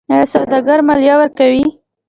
آیا سوداګر مالیه ورکوي؟